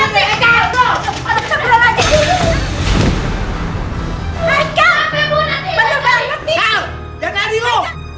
kal jangan lari lo